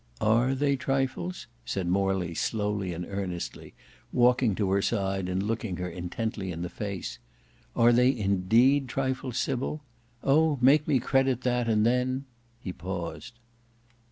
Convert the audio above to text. "Are they trifles?" said Morley, slowly and earnestly, walking to her side, and looking her intently in the face. "Are they indeed trifles, Sybil? Oh! make me credit that, and then—" he paused.